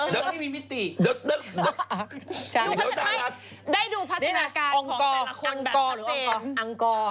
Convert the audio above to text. เดี๋ยวดูสิได้ดูภาษณาการของแต่ละคนแบบตัดเตรียมอังกฎ